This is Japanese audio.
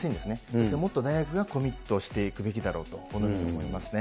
ですから、もっと大学がコミットしていくべきだろうと、このように思いますね。